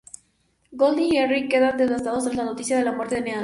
Gold y Henry quedan devastados tras la noticia de la muerte de Neal.